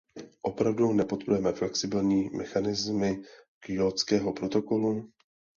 Opravdu nepodporujeme flexibilní mechanismy Kjótského protokolu?